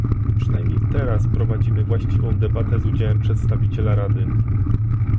Przynajmniej teraz prowadzimy właściwą debatę z udziałem przedstawiciela Rady